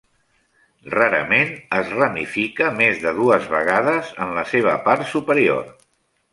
Rarament es ramifica més de dues vegades en la seva part superior.